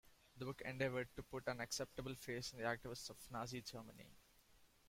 The book endeavored to put an acceptable face on the activities of Nazi Germany.